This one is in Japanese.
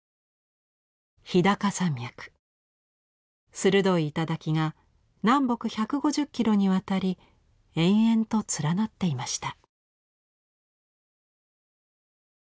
鋭い頂が南北１５０キロにわたり延々と連なっていました。